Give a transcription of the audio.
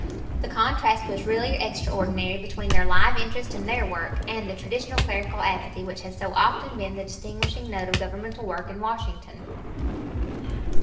The contrast was really extraordinary between their live interest in their work and the traditional clerical apathy which has so often been the distinguishing note of governmental work in Washington.